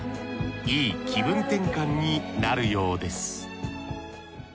いい気分転換になるようです